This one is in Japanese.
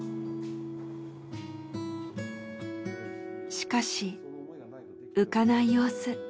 しかし浮かない様子。